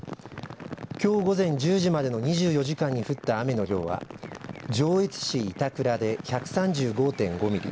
きょう午前１０時までの２４時間に降った雨の量は上越市板倉で１３５．５ミリ